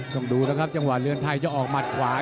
ต้องดูนะครับจังหวะเรือนไทยจะออกหมัดขวา